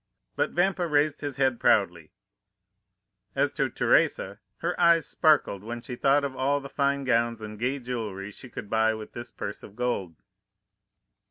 But Vampa raised his head proudly; as to Teresa, her eyes sparkled when she thought of all the fine gowns and gay jewellery she could buy with this purse of gold.